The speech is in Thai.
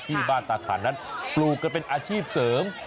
ตาขันนั้นปลูกกันเป็นอาชีพเสริม